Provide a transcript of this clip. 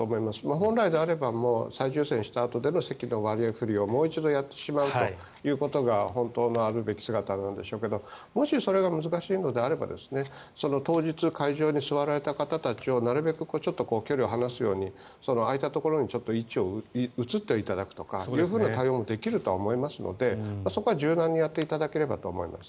本来であれば再抽選したあとで席の割り振りをもう一度やってしまうということが本当のあるべき姿なんでしょうけどもし、それが難しいのであれば当日、会場に座られた方たちをなるべく距離を離すように空いたところに位置を移っていただくとか対応もできるとは思いますのでそこは柔軟にやっていただければと思います。